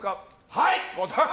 はい！